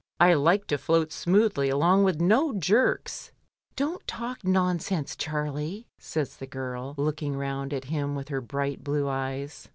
I like to float smoothly along with no jerks." "Don't talk nonsense, Charlie," says the girl, looking round at him with her bright blue eyes.